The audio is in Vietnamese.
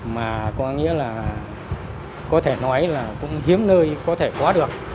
mà có nghĩa là có thể nói là cũng hiếm nơi có thể có được